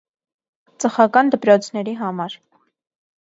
Ծխական դպրոցների համար։